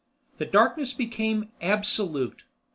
The darkness became—absolute.